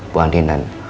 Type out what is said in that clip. bu andi dan